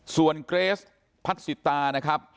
ส่วนเกรสพัฒนศิษย์ตานะครับ